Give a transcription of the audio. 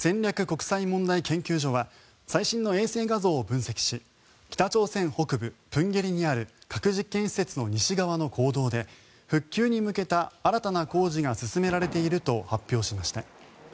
国際問題研究所は最新の衛星画像を分析し北朝鮮北部豊渓里にある核実験施設の西側の坑道で復旧に向けた新たな工事が進められていると発表しました。